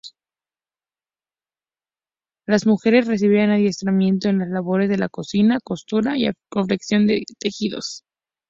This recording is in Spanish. Las mujeres recibían adiestramiento en las labores de cocina, costura y confección de tejidos.